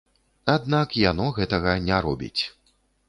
Аднак яно гэтага не робіць.